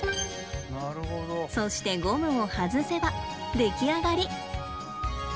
そしてゴムを外せば出来上がり。